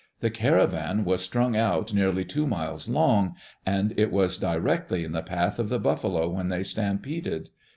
The caravan was strung out nearly two miles long, and it was directly in the path of the buffalo when they stampeded.